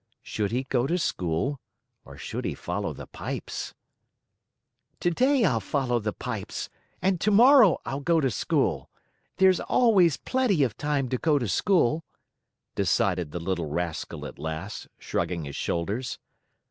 Should he go to school, or should he follow the pipes? "Today I'll follow the pipes, and tomorrow I'll go to school. There's always plenty of time to go to school," decided the little rascal at last, shrugging his shoulders.